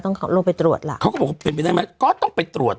ลงไปตรวจล่ะเขาก็บอกว่าเป็นไปได้ไหมก็ต้องไปตรวจ